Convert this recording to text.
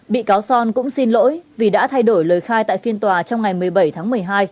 bị cáo son cũng xin lỗi vì đã thay đổi lời khai tại phiên tòa trong ngày một mươi bảy tháng một mươi hai